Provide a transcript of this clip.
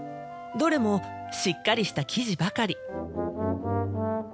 どれもしっかりした生地ばかり。